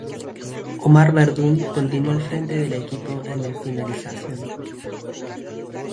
Omar Verdún continuó al frente del equipo en el Finalización.